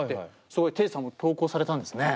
そこでテイさんも投稿されたんですね。